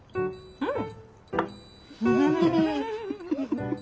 うん。